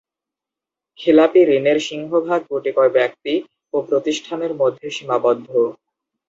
খেলাপি ঋণের সিংহভাগ গুটিকয় ব্যক্তি ও প্রতিষ্ঠানের মধ্যে সীমাবদ্ধ।